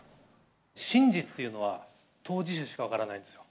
真実というのは、当事者しか分からないんですよ。